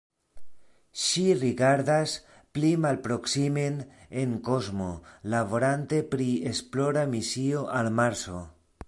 Ŝi rigardas pli malproksimen en kosmo, laborante pri esplora misio al Marso.